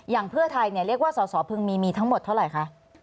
เพื่อไทยเรียกว่าสอสอพึงมีมีทั้งหมดเท่าไหร่คะ